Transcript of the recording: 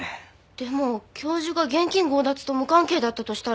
でも教授が現金強奪と無関係だったとしたら。